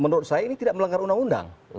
menurut saya ini tidak melanggar undang undang